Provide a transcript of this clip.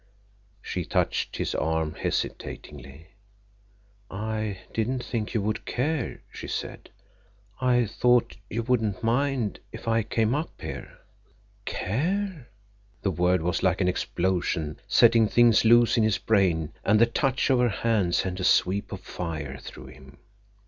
She touched his arm hesitatingly. "I didn't think you would care," she said. "I thought you wouldn't mind—if I came up here." Care! The word was like an explosion setting things loose in his brain, and the touch of her hand sent a sweep of fire through him.